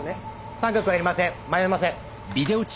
三角はいりません迷いません。